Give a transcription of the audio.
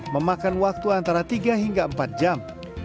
memakan waktu antara tiga hingga empat jam